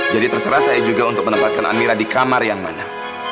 jadi terserah saya juga untuk menempatkan amirah di kamar yang mana